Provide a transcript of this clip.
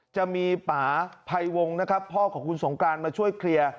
จะมีป่าภัยวงนะครับพ่อของคุณสงกรานมาช่วยเคลียร์